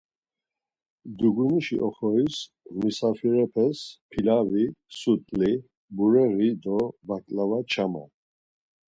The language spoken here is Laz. Dugunişi oxoris musafirepes pilavi, sut̆li, bureği do baǩlava çaman.